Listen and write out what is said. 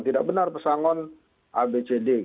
tidak benar pesangon abcd